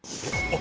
あ！